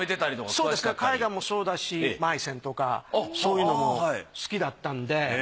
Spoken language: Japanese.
そうですね絵画もそうだしマイセンとかそういうのも好きだったんで。